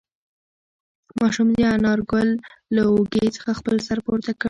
ماشوم د انارګل له اوږې څخه خپل سر پورته کړ.